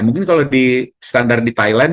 mungkin kalau di standar di thailand